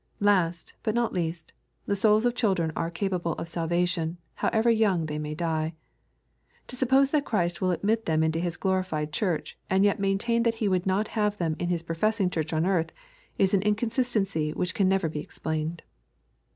— ^Last, but not least, the souls of children are capable of salvation, however young they may die. To suppose that Christ will admit them into His glorified Church, and yet maintain that He would not have them in His professing Church on earth, is an inconsistency which can never be explained.